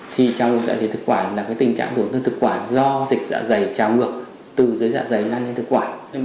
thì chảu ngược dạ dày thực quản là tình trạng của thực quản do dịch dạ dày chảu ngược từ dưới dạ dày lan lên thực quản